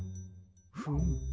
フム。